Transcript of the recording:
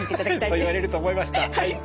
そう言われると思いました。